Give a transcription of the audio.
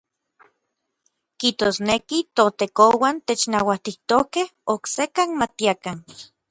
Kijtosneki ToTekouan technauatijtokej oksekan matiakan.